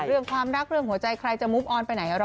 เรื่องความรักเรื่องหัวใจใครจะมุบออนไปไหน